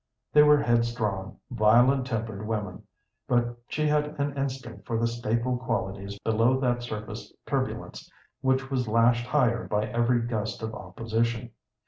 They were headstrong, violent tempered women, but she had an instinct for the staple qualities below that surface turbulence, which was lashed higher by every gust of opposition.